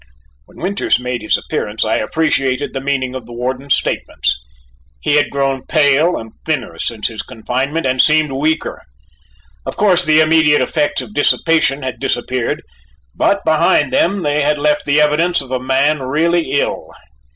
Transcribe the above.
When Winters made his appearance, I appreciated the meaning of the warden's statements. He had grown pale and thinner since his confinement and seemed weaker. Of course the immediate effects of dissipation had disappeared, but behind them they had left the evidence of a man really ill.